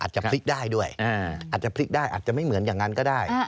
อาจจะพลิกได้ด้วยอาจจะพลิกได้อาจจะไม่เหมือนอย่างนั้นก็ได้